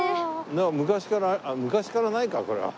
なんか昔から昔からないかこれは。